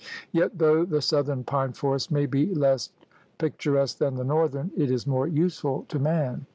Yet though the southern pine forest may be less picturesque than the northern, it is more useful to man.